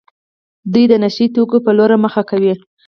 دوی د نشه يي توکو په لور مخه کوي.